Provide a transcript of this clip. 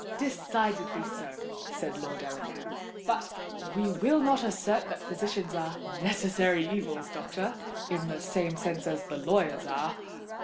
"Decidedly so," said Lord Ellingham. "But we will not assert that physicians are necessary evils, doctor—in the same sense as the lawyers are."